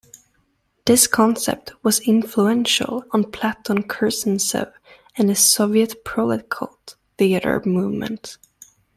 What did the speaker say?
This concept was influential on Platon Kerzhentsev and the Soviet Proletcult Theatre movement.